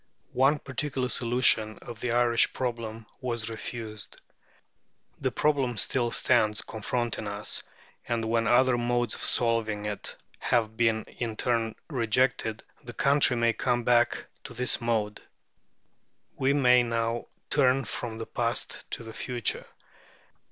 One particular solution of the Irish problem was refused. The problem still stands confronting us, and when other modes of solving it have been in turn rejected, the country may come back to this mode. We may now turn from the past to the future.